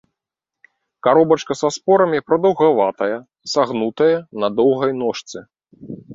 Каробачка са спорамі прадаўгаватая, сагнутая, на доўгай ножцы.